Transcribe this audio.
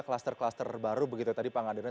kluster kluster baru begitu tadi pak ngadirman